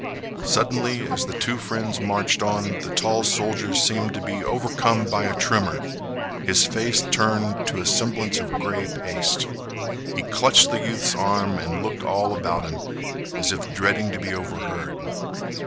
Suddenly, as the two friends marched on, the tall soldier seemed to be overcome by a tremor. His face turned to a semblance of gray paste. He clutched the youth's arm and looked all about him, as if dreading to be overheard.